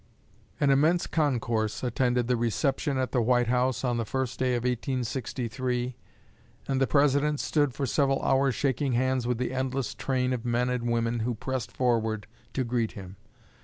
An immense concourse attended the reception at the White House on the first day of 1863, and the President stood for several hours shaking hands with the endless train of men and women who pressed forward to greet him.